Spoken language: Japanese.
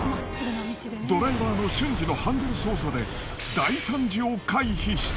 ドライバーの瞬時のハンドル操作で大惨事を回避した。